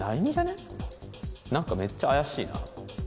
何かめっちゃ怪しいな。